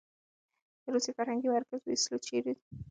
د روسي فرهنګي مرکز رییس ویچسلو نکراسوف دی.